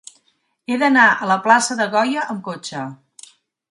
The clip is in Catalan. He d'anar a la plaça de Goya amb cotxe.